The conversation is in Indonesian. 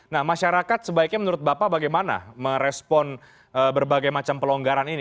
nah masyarakat sebaiknya menurut bapak bagaimana merespon berbagai macam pelonggaran ini